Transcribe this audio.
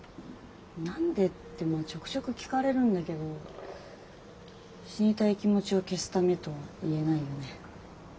何でってまあちょくちょく聞かれるんだけど死にたい気持ちを消すためとは言えないよね。